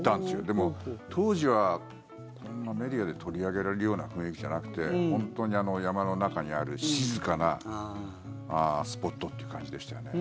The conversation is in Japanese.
でも当時は、こんなメディアで取り上げられるような雰囲気じゃなくて本当に、山の中にある静かなスポットっていう感じでしたよね。